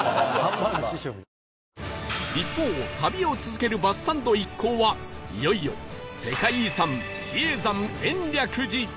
一方旅を続けるバスサンド一行はいよいよ世界遺産比叡山延暦寺